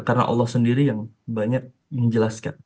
karena allah sendiri yang banyak menjelaskan